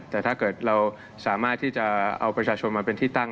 แต่ถ้าเกิดเราสามารถที่จะเอาประชาชนมาเป็นที่ตั้ง